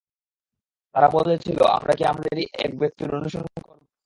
তারা বলেছিল, আমরা কি আমাদেরই এক ব্যক্তির অনুসরণ করব?